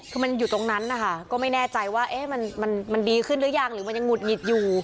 คือมันอยู่ตรงนั้นนะคะก็ไม่แน่ใจว่ามันดีขึ้นหรือยังหรือมันยังหุดหงิดอยู่